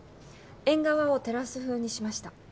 縁側をテラス風にしました。